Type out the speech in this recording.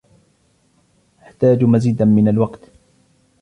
احتاج مزيداً من الوقت.